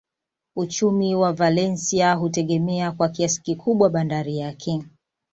Uchumi wa Valencia hutegemea kwa kiasi kikubwa bandari yake.